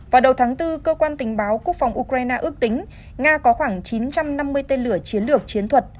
vào đầu tháng bốn cơ quan tình báo quốc phòng ukraine ước tính nga có khoảng chín trăm năm mươi tên lửa chiến lược chiến thuật